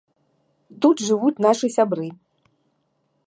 Тут жывуць нашы сябры.